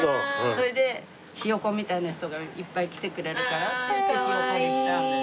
それでひよこみたいな人がいっぱい来てくれるからっていってひよこにしたんです。